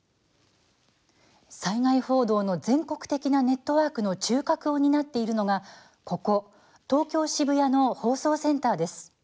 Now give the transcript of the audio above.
災害報道の全国的なネットワークの中核を担っているのが、ここ東京・渋谷の放送センターです。